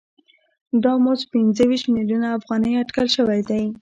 دا مزد پنځه ویشت میلیونه افغانۍ اټکل شوی دی